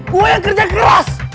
gua yang kerja keras